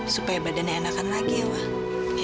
supaya badannya enakan lagi ya bang